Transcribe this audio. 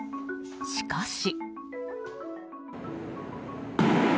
しかし。